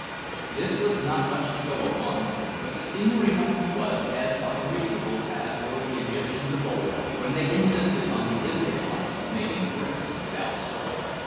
This was not much to go upon, but the Senhorina was as unreasonable as were the Egyptians of old, when they insisted on the Israelites making bricks without straw.